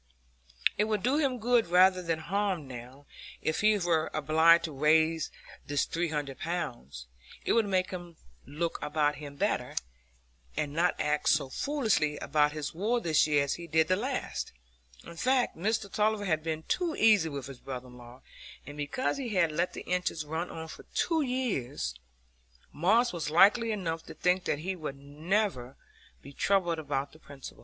It would do him good rather than harm, now, if he were obliged to raise this three hundred pounds; it would make him look about him better, and not act so foolishly about his wool this year as he did the last; in fact, Mr Tulliver had been too easy with his brother in law, and because he had let the interest run on for two years, Moss was likely enough to think that he should never be troubled about the principal.